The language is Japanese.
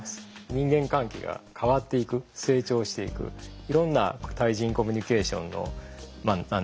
人間関係が変わっていく成長していくいろんな対人コミュニケーションの何ですかね